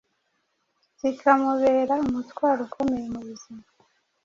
kikamubera umutwaro ukomeye mubuzima?